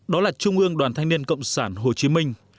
đó là trung ương đoàn thanh niên cộng sản hồ chí minh